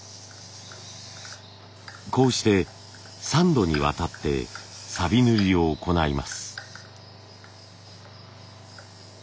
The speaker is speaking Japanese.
こうして３度にわたってさび塗りを行います。